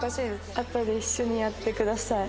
あとで一緒にやってください。